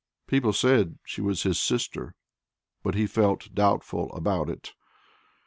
People said she was his sister, but he felt doubtful about it.